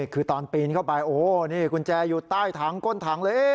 คือตอนปีนเข้าไปโอ้นี่กุญแจอยู่ใต้ถังก้นถังเลย